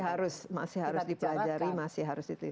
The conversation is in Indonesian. yang masih harus dipelajari